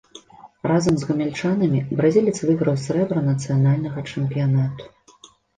Разам з гамяльчанамі бразілец выйграў срэбра нацыянальнага чэмпіянату.